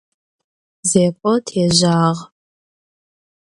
Zêk'o têjağ.